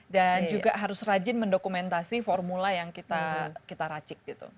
dan juga harus rajin mendokumentasi formula yang kita racik gitu